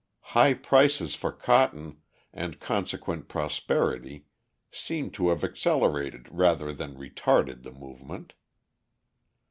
High prices for cotton and consequent prosperity seem to have accelerated rather than retarded the movement.